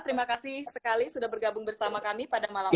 terima kasih sekali sudah bergabung bersama kami pada malam ini